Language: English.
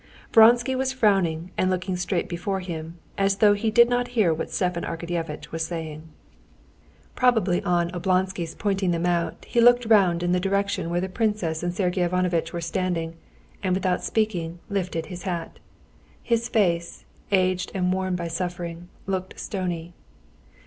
Vronsky was frowning and looking straight before him, as though he did not hear what Stepan Arkadyevitch was saying. Probably on Oblonsky's pointing them out, he looked round in the direction where the princess and Sergey Ivanovitch were standing, and without speaking lifted his hat. His face, aged and worn by suffering, looked stony.